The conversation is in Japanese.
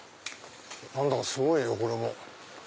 何だかすごいよこれも。